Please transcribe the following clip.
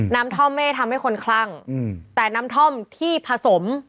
ท่อมไม่ได้ทำให้คนคลั่งแต่น้ำท่อมที่ผสม